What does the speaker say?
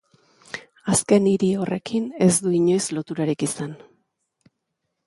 Azken hiri horrekin ez du inoiz loturarik izan.